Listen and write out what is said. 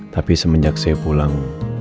tapi semenjak saya pulang